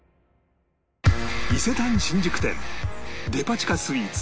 伊勢丹新宿店デパ地下スイーツ